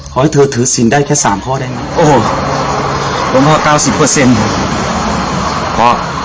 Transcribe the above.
ขอให้เธอถือศิลป์ได้แค่สามข้อได้ไหมโอ้โฮผมพอ๙๑๐เปอร์เซ็นต์